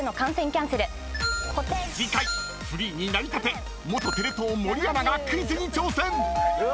［次回フリーになりたて元テレ東森アナがクイズに挑戦！］